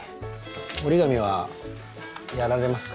折り紙はやられますか？